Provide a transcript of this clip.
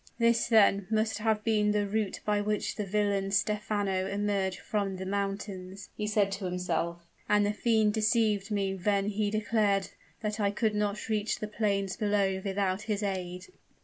"This, then, must have been the route by which the villain Stephano emerged from the mountains," he said to himself, "and the fiend deceived me when he declared that I could not reach the plains below without his aid."